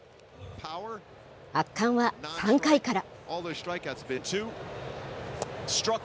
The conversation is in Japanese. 圧巻は３回から。